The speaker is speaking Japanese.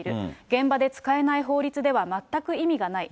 現場で使えない法律では全く意味がない。